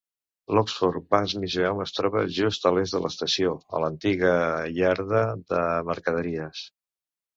L'Oxford Bus Museum es troba just a l'est de l'estació, a l'antiga iarda de mercaderies.